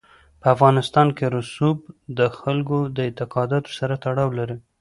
په افغانستان کې رسوب د خلکو د اعتقاداتو سره تړاو لري.